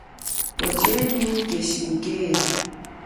Wachenyi keshi kukeha.